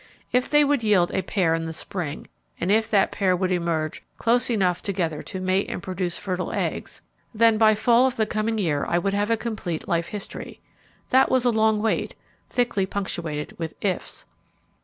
If they would yield a pair in the spring, and if that pair would emerge close enough together to mate and produce fertile eggs, then by fall of the coming year I would have a complete life history. That was a long wait, thickly punctuated with 'ifs.'